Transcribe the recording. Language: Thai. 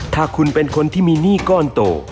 ถ้าคุณเป็นคนที่มีหนี้ก้อนโต